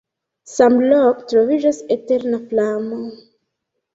Samloke troviĝas eterna flamo.